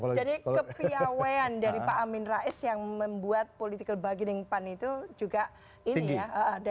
jadi kepiawean dari pak amin rais yang membuat political bargaining pan itu juga ini ya